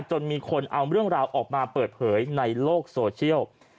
จนมีคนเอาเรื่องราวออกมาเปิดเผยในโลกโซเชียล